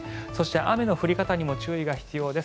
雨の降り方にも注意が必要です。